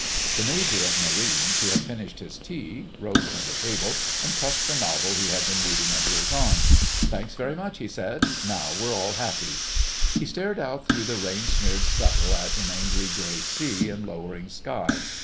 The Major of Marines, who had finished his tea, rose from the table and tucked the novel he had been reading under his arm. "Thanks very much," he said, "now we're all happy." He stared out through the rain smeared scuttle at an angry grey sea and lowering sky.